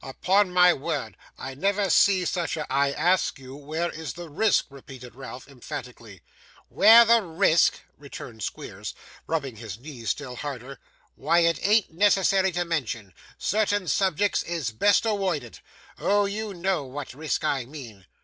'Upon my word I never see such a ' 'I ask you where is the risk?' repeated Ralph, emphatically. 'Where the risk?' returned Squeers, rubbing his knees still harder. 'Why, it an't necessary to mention. Certain subjects is best awoided. Oh, you know what risk I mean.